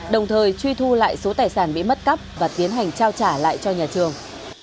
đồng thời truy thu lại số tài sản bị mất cắp và tiến hành trao trả lại cho nhà trường